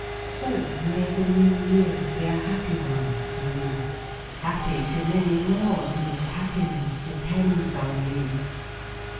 So may the New Year be a happy one to you, happy to many more whose happiness depends on you!